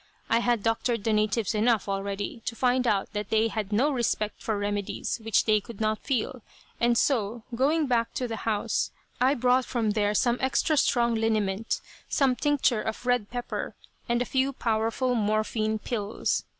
I had doctored the natives enough, already, to find out that they had no respect for remedies which they could not feel, and so, going back to the house, I brought from there some extra strong liniment, some tincture of red pepper and a few powerful morphine pills.